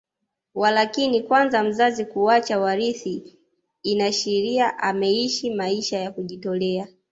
Walakini kwa mzazi kuacha warithi inashiria ameishi maisha ya kujitolea